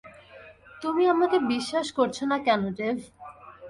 তুমি আমাকে বিশ্বাস করছ না কেন, ডেভ?